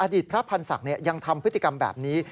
พระพันธ์ศักดิ์ยังทำพฤติกรรมแบบนี้